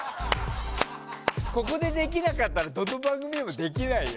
ここでできなかったらどの番組でもできないよ。